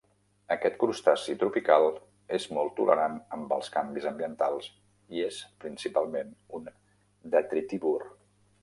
Aquest crustaci tropical és molt tolerant amb els canvis ambientals i és principalment un detritívor.